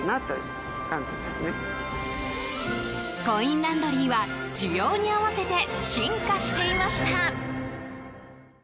コインランドリーは需要に合わせて進化していました。